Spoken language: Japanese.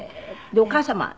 でお母様は。